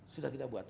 sudah kita buat